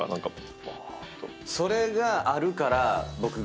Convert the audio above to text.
それがあるから僕。